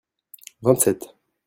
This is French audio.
vingt sept.